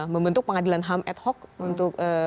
membentuk pengadilan ham ad hoc untuk